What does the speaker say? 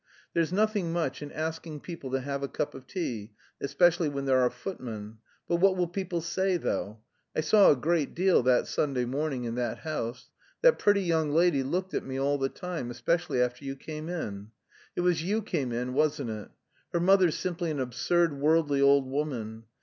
There's nothing much in asking people to have a cup of tea, especially when there are footmen. But what will people say though? I saw a great deal that Sunday morning in that house. That pretty young lady looked at me all the time, especially after you came in. It was you came in, wasn't it? Her mother's simply an absurd worldly old woman.